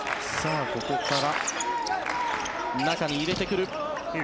ここから中に入れてくる。